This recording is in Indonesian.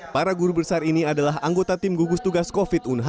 para guru besar ini adalah anggota tim gugus tugas covid sembilan belas